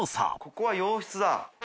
ここは洋室だ。